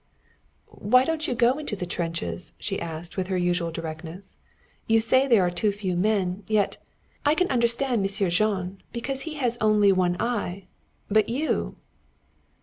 "Why don't you go into the trenches?" she asked with her usual directness. "You say there are too few men. Yet I can understand Monsieur Jean, because he has only one eye. But you!"